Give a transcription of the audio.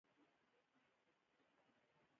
که هډوکي نه وی نو څه به پیښیدل